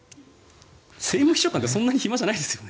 政務秘書官ってそんなに暇じゃないですよね。